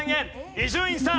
伊集院さん